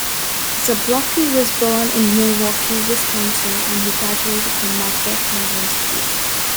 Zablocki was born in Milwaukee, Wisconsin and he graduated from Marquette University.